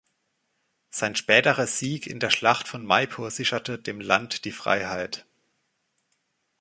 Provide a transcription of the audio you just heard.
Sein späterer Sieg in der Schlacht von Maipo sicherte dem Land die Freiheit.